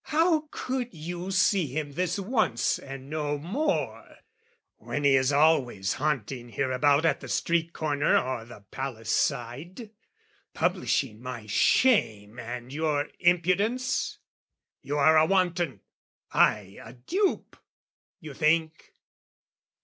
"How could you see him this once and no more, "When he is always haunting hereabout "At the street corner or the palace side, "Publishing my shame and your impudence? "You are a wanton, I a dupe, you think?